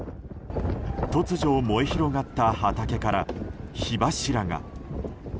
突如燃え広がった畑から火柱が。